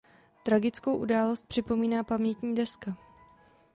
Tragickou událost připomíná pamětní deska.